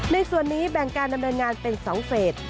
ในส่วนนี้แบ่งการดำเนินงานเป็น๒เฟส